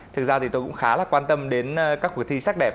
thực ra thì tôi cũng khá là quan tâm đến các cuộc thi sắc đẹp